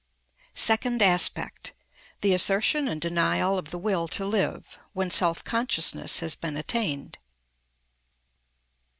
Second Aspect. The Assertion And Denial Of The Will To Live, When Self Consciousness Has Been Attained.